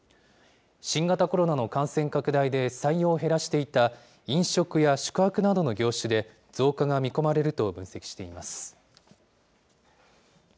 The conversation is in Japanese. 新型コロナの感染拡大で採用を減らしていた飲食や宿泊などの業種で増加が見込まれると分析しています。